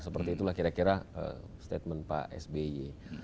seperti itulah kira kira statement pak sby